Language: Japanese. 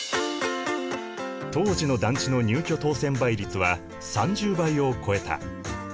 当時の団地の入居当選倍率は３０倍を超えた。